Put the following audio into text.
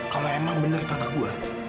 kalau emang bener tanah gue